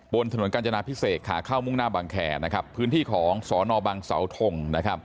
บนถนนกาญจนาพิเศษขาเข้ามุ่งหน้าบางแคร์พื้นที่ของสนบังเสาทง